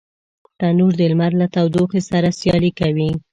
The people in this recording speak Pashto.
تنور د لمر له تودوخي سره سیالي کوي